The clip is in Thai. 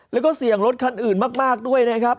แล้วก็เสี่ยงรถคันอื่นมากด้วยนะครับ